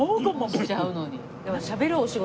しちゃうのに。